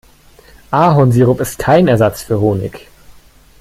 Ahornsirup ist kein Ersatz für Honig.